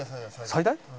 最大？